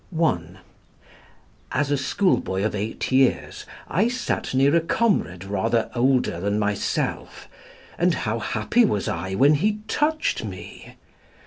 (1) "As a schoolboy of eight years, I sat near a comrade rather older than myself; and how happy was I, when he touched me.